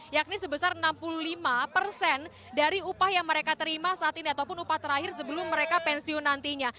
yakni sebesar enam puluh lima persen dari upah yang mereka terima saat ini ataupun upah terakhir sebelum mereka pensiun nantinya